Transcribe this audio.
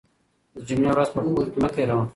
د جمعې ورځ په خوب کې مه تېروه.